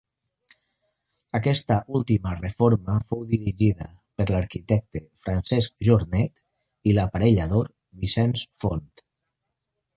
Aquesta última reforma fou dirigida per l'arquitecte Francesc Jornet i l'aparellador Vicenç Font.